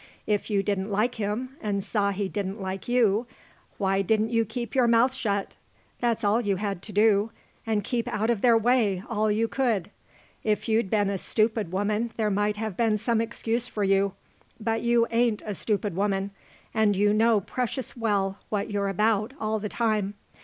If you didn't like him and saw he didn't like you, why didn't you keep your mouth shut? That's all you had to do, and keep out of their way all you could. If you'd been a stupid woman there might have been some excuse for you, but you ain't a stupid woman, and you know precious well what you're about all the time.